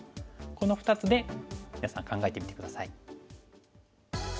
この２つで皆さん考えてみて下さい。